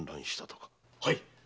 はい。